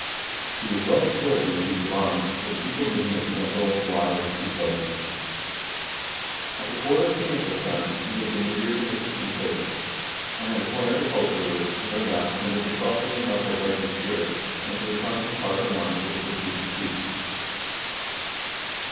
He was well skilled in the use of arms, but the people knew him as gentle, wise, and peace loving. At the court of King ^Ethelstan he had been reared in the Christian faith, and had ac quired a culture which, no doubt, tended to soften the martial Viking spirit, and to incline his heart and mind to the pursuits of peace.